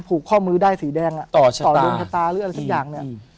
ผูกข้อมือได้สีแดงต่อดวงชะตาหรืออะไรสักอย่างเนี่ย